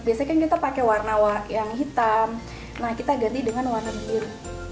biasanya kan kita pakai warna yang hitam nah kita ganti dengan warna biru